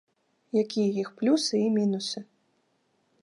Якія іх плюсы і мінусы.